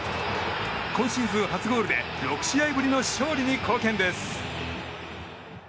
今シーズン初ゴールで６試合ぶりの勝利に貢献です。